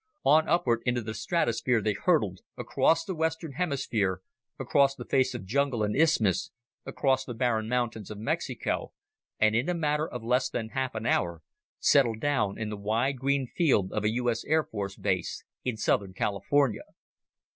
On upward into the stratosphere they hurtled, across the Western Hemisphere, across the face of jungle and isthmus, across the barren mountains of Mexico, and in a matter of less than half an hour, settled down in the wide green field of a U.S. Air Force base in southern California.